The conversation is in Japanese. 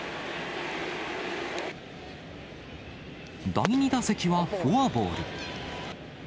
第２打席はフォアボール。